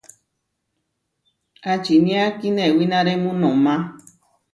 ¿Ačinia kinewináremu noʼma?